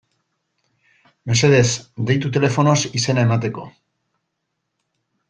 Mesedez, deitu telefonoz izena emateko.